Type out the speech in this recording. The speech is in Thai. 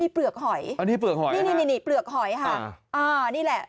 นี่เปลือกหอยนี่เปลือกหอยค่ะอ่าวนี่แหละ